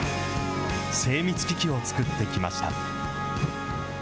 精密機器を作ってきました。